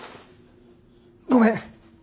ごめん。